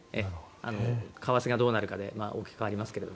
為替がどうなるかで大きく変わりますが。